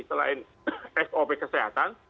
selain sop kesehatan